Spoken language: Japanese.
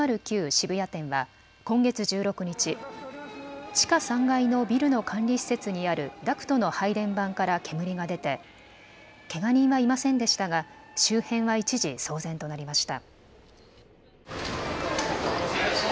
渋谷店は今月１６日、地下３階のビルの管理施設にあるダクトの配電盤から煙が出てけが人はいませんでしたが周辺は一時、騒然となりました。